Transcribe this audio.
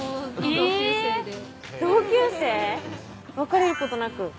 同級生別れることなく？